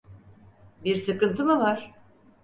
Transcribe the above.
Bir sıkıntı mı var?